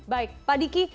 baik pak diki